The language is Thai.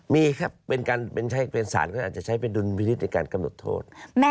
มีครับเป็นการใช้เป็นสารเขาอาจจะใช้เป็นดุลวิธีในการกำหนดโทษ